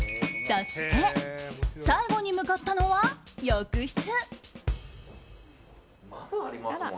そして最後に向かったのは浴室。